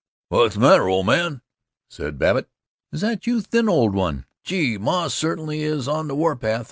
"What's the matter, old man?" said Babbitt. "Is that you, thin, owld one? Gee, Ma certainly is on the warpath!